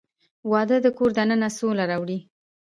• واده د کور دننه سوله راولي.